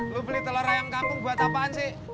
lu beli telur ayam kampung buat apaan sih